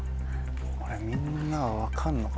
これみんなは分かんのか？